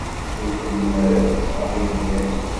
Ur tennum ara tetteffeɣ deg iḍ.